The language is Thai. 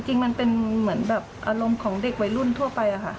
จริงมันเป็นเหมือนแบบอารมณ์ของเด็กวัยรุ่นทั่วไปค่ะ